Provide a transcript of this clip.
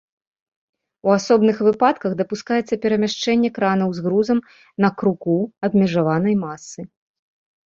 У асобных выпадках дапускаецца перамяшчэнне кранаў з грузам на круку абмежаванай масы.